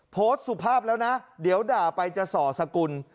สุภาพแล้วนะเดี๋ยวด่าไปจะส่อสกุล